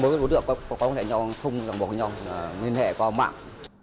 mỗi đối tượng có quan hệ nhau không gặp nhau liên hệ qua mạng